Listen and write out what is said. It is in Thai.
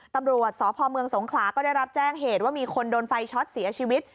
ตำรวจสพเมืองสงขลาก็ได้รับแจ้งเหตุว่ามีคนโดนไฟช็อตเสียชีวิต